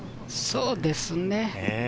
そうですね。